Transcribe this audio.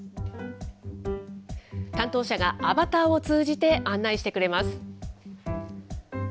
担当者がアバターを通じて案内してくれます。